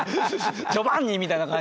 「ジョバンニ！」みたいな感じで。